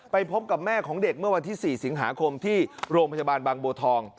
พบกับแม่ของเด็กเมื่อวันที่๔สิงหาคมที่โรงพยาบาลบางบัวทอง